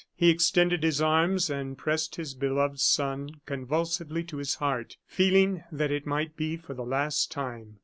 He extended his arms, and pressed his beloved son convulsively to his heart, feeling that it might be for the last time.